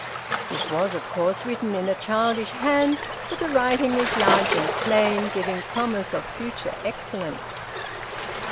This was, of course, written in a childish hand, but the writing was large and plain, giving promise of future excellence.